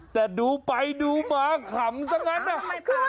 แต่ดูไปดูมาขำสักงั้นคือมันอดขำไม่ได้คุณ